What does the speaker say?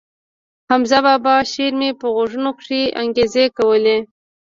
د حمزه بابا شعر مې په غوږو کښې انګازې کولې.